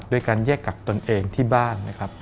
โดยการแยกกักตนเองที่บ้านนะครับ